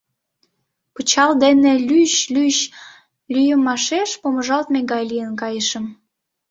Пычал дене лӱч-лӱч лӱйымашеш помыжалтме гай лийын кайышым...